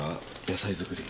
野菜作り。